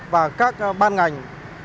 và các ban ngành